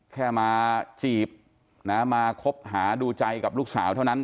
แค่มาจีบนะมาคบหาดูใจกับลูกสาวเท่านั้น